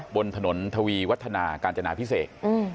บนถนนทวีวัฒนาการจนาพิเศษ